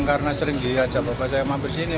karena sering diajak bapak saya mampir sini